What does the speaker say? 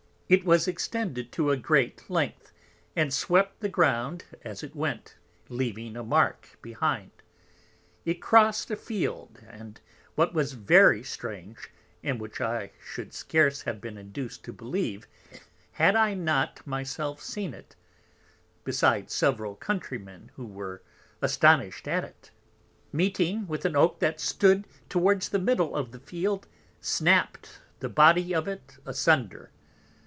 It was extended to a great Length, and swept the Ground as it went, leaving a Mark behind. It crossed a Field; and what was very strange (and which I should scarce have been induced to believe had I not my self seen it, besides several Country men who were astonish'd at it) meeting with an Oak that stood towards the middle of the Field snapped the Body of it asunder.